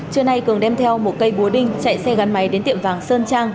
trưa nay cường đem theo một cây búa đinh chạy xe gắn máy đến tiệm vàng sơn trang